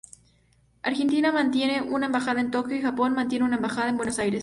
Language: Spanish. Argentina mantiene una embajada en Tokio y Japón mantiene una embajada en Buenos Aires.